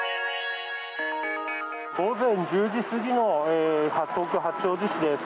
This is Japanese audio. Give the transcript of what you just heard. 午前１０時過ぎの東京・八王子市です。